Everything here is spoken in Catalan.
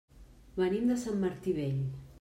Venim de Sant Martí Vell.